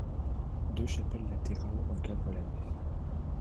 Deux chapelles latérales encadrent la nef.